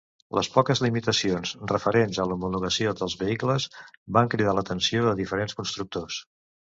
Les poques limitacions referents a l'homologació dels vehicles van cridar l'atenció a diferents constructors.